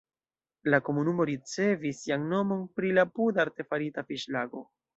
La komunumo ricevis sian nomon pri la apuda artefarita fiŝlago.